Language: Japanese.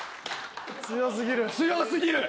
強すぎる強すぎる！